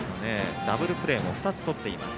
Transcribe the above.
ダブルプレーも２つとっています。